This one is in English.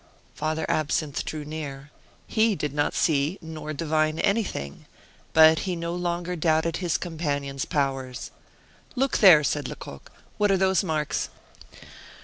Father Absinthe drew near. He did not see nor divine anything! but he no longer doubted his companion's powers. "Look there," said Lecoq; "what are those marks?"